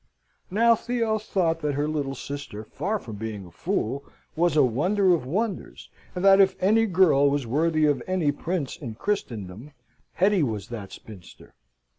Now Theo thought that her little sister, far from being a fool, was a wonder of wonders, and that if any girl was worthy of any prince in Christendom, Hetty was that spinster.